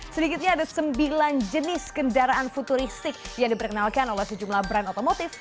sedikitnya ada sembilan jenis kendaraan futuristik yang diperkenalkan oleh sejumlah brand otomotif